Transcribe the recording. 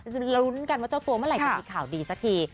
เรารุ้นกันว่าเจ้าตัวเมื่อไหร่จะมีข่าวดีสักที